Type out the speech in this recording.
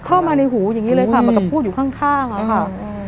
เข้ามาในหูอย่างนี้เลยค่ะมันก็พูดอยู่ข้างแล้วค่ะ